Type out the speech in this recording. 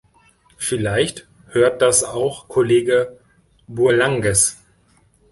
Vielleicht hört das auch Kollege Bourlanges.